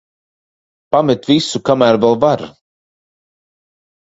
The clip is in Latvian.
Pamet visu, kamēr vēl var.